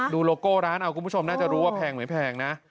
ดูโลโก้ร้านกูผู้ชมน่าจะรู้ว่าแพงหรือไม่แพงนะ